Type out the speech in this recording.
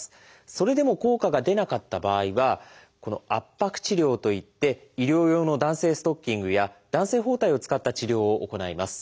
それでも効果が出なかった場合はこの「圧迫治療」といって医療用の弾性ストッキングや弾性包帯を使った治療を行います。